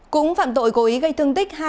cũng phạm tội cố ý gây thương tích